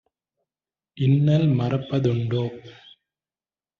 இன்னல் மறப்ப துண்டோ?"